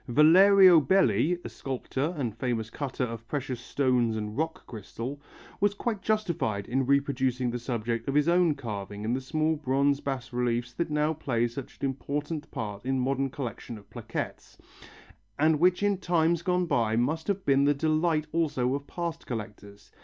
Valerio Belli, a sculptor and famous cutter of precious stones and rock crystal, was quite justified in reproducing the subject of his own carving in the small bronze bas reliefs that now play such an important part in modern collections of plaquettes, and which in times gone by must have been the delight also of past collectors.